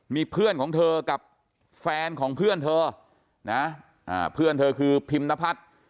มีเพื่อนของเธอกับแฟนของเพื่อนเธอนะเพื่อนเธอคือพิมนพัฒน์